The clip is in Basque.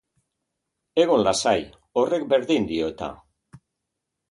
Egon lasai, horrek berdin dio eta.